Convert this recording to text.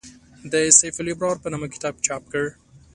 د «سیف الابرار» په نامه کتاب چاپ کړ.